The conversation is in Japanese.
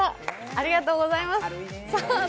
ありがとうございます。